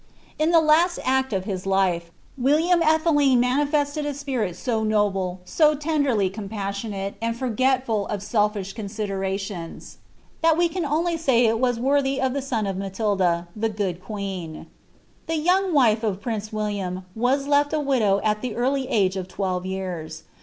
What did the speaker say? In the laat act of his life, William Alheting manifested s spirit so noble, «o tenderly compassionate, and forgetful of selfish considorationi, that we can only say it was worthy of the aon of Matilda, the good The yonng wife of prince William was left a widow at the earif iga of twelve years.